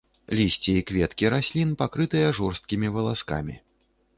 Лісце і кветкі раслін пакрытыя жорсткім валаскамі.